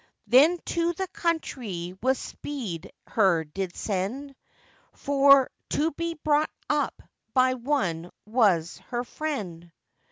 Then to the countrie with speed her did send, For to be brought up by one was her friend.